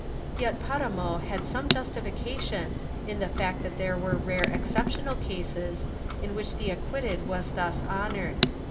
^ Yet Paramo had some justification in the fact that there were rare exceptional cases in which the acquitted was thus honored.